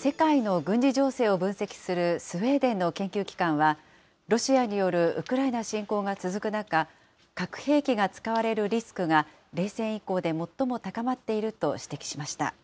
世界の軍事情勢を分析するスウェーデンの研究機関は、ロシアによるウクライナ侵攻が続く中、核兵器が使われるリスクが、冷戦以降で最も高まっていると指摘しました。